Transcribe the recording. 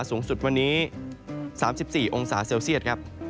สูงสุดวันนี้๓๔องศาเซลเซียตครับ